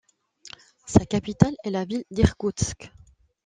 Sa capitale est la ville d'Irkoutsk.